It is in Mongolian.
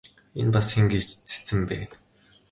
Энэ бас хэн гээч цэцэн бэ?